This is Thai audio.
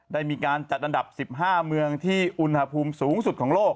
ได้มีการจัดอันดับ๑๕เมืองที่อุณหภูมิสูงสุดของโลก